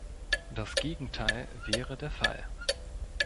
Das Gegenteil wäre der Fall.